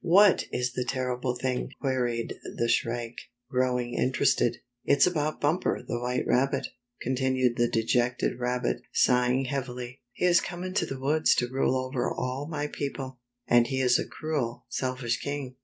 " "What is this terrible thing?" queried the Shrike, growing interested. " It's about Bumper the White Rabbit," con tinued the dejected rabbit, sighing heavily. " He has come into the woods to rule over all my people, and he is a cruel, selfish king.